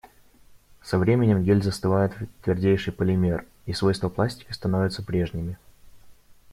Со временем гель застывает в твердейший полимер, и свойства пластика становятся прежними.